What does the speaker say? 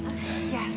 よし。